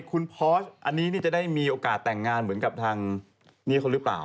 คุณพอสอันนี้จะได้มีโอกาสแต่งงานเหมือนกับทางนี่เขาหรือเปล่า